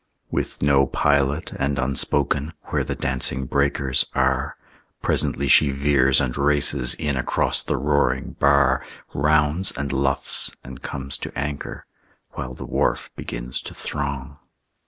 With no pilot and unspoken, Where the dancing breakers are, Presently she veers and races In across the roaring bar, Rounds and luffs and comes to anchor, While the wharf begins to throng.